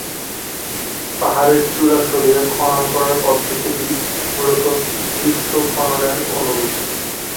পাহাড়ের চূড়া সরিয়ে খনন করার পদ্ধতিটি মূলত পৃষ্ঠ খননের অনুরূপ।